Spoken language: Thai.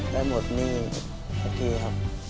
ได้หมดหนี้สักทีครับ